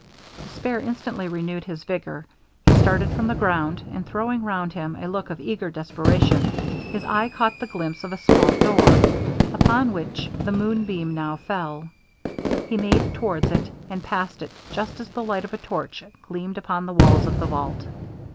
Despair instantly renewed his vigour; he started from the ground, and throwing round him a look of eager desperation, his eye caught the glimpse of a small door, upon which the moon beam now fell. He made towards it, and passed it just as the light of a torch gleamed upon the walls of the vault.